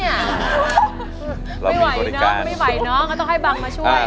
ไม่ไหวเนอะไม่ไหวเนอะก็ต้องให้บังมาช่วย